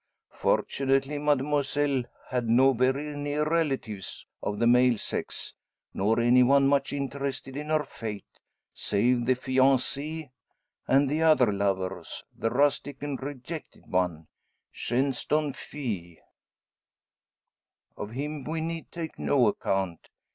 "Fortunately, Mademoiselle had no very near relatives of the male sex, nor any one much interested in her fate, save the fiance and the other lover the rustic and rejected one Shenstone fils. Of him we need take no account.